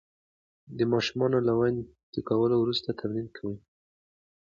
د ماشومانو له ویده کولو وروسته تمرین کوم.